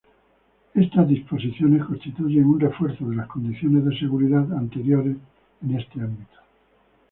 Estas disposiciones constituyen un refuerzo de las condiciones de seguridad anteriores en este ámbito.